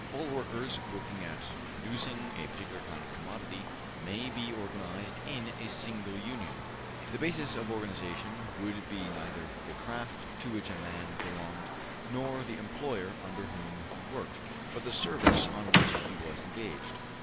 All workers working at producing a particular kind of commodity may be organized in a single Union. ... The basis of organization would be neither the craft to which a man belonged nor the employer under whom he worked, but the service on which he was engaged.